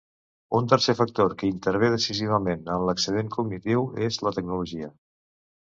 Un tercer factor que intervé decisivament en l'excedent cognitiu és la tecnologia.